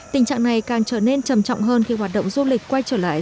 tình trạng này càng trở nên trầm trọng hơn khi hoạt động du lịch quay trở lại